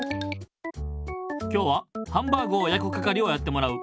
今日はハンバーグをやくかかりをやってもらう。